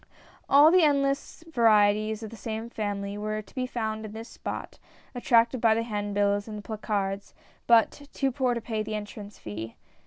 All the endless varieties of the same family were to be found in this spot, attracted by the hand bills and the placards, but too poor to pay the entrance fee.